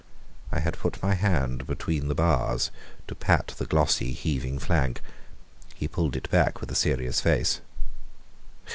I had put my hand between the bars to pat the glossy, heaving flank. He pulled it back, with a serious face.